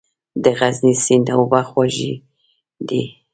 د غزني سیند اوبه خوږې دي؟